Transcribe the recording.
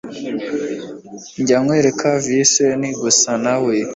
njya kwereka Vincent gusa nawe